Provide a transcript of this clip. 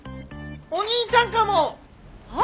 お兄ちゃんかも！は？